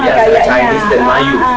jadi antara chinese dan melayu